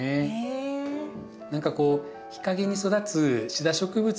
何かこう日陰に育つシダ植物